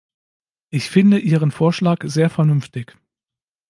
Ich finde Ihren Vorschlag sehr vernünftig.